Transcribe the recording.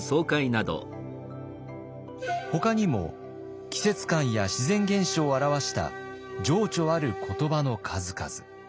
ほかにも季節感や自然現象を表した情緒ある言葉の数々。